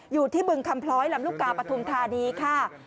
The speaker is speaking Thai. อยู่ที่บึงคำพล้อยหลำลูกกาปทุมทาดีค่ะ